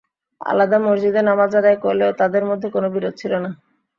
আলাদা মসজিদে নামাজ আদায় করলেও তাঁদের মধ্যে কোনো বিরোধ ছিল না।